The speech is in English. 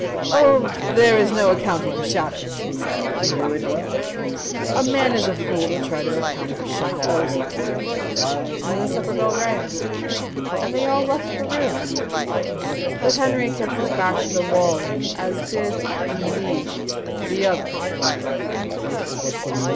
"Oh, there is no accounting for shadows," he said, and he laughed again. "A man is a fool to try to account for shadows." Then the supper bell rang, and they all left the room, but Henry kept his back to the wall, as did, indeed, the others.